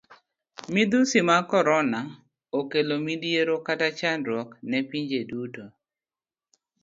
Midhusi mag korona okelo midhiero kata chandruok ne pinje duto.